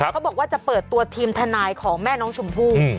เขาบอกว่าจะเปิดตัวทีมทนายของแม่น้องชมพู่